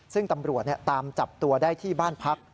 ซึ่งตำรวจตามจับตัวได้ที่บ้านพัก